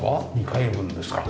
２階分ですか？